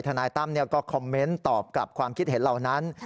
นายตั้มก็คอมเมนต์ตอบกลับความคิดเห็นเหล่านั้น